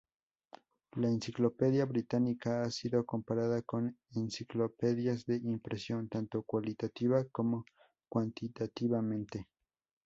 La Enciclopedia Británica ha sido comparada con enciclopedias de impresión, tanto cualitativa como cuantitativamente.